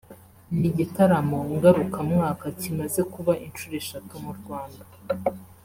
ni igitaramo ngarukamwaka kimaze kuba inshuro eshatu mu Rwanda